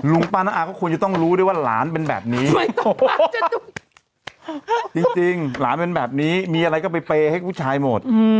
ภูร์ภูมิต้องรู้ได้ว่าร้านเป็นแบบนี้มันแบบนี้มีอะไรก็ไปเปยงให้ผู้ชายหมด